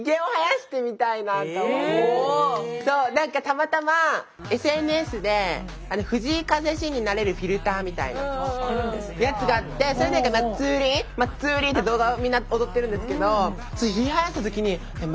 なんかたまたまＳＮＳで藤井風氏になれるフィルターみたいなやつがあってそれで「祭り祭り」って動画をみんな踊ってるんですけどと思って。